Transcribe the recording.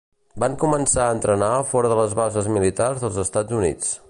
Van començar a entrenar fora de les bases militars dels Estats Units.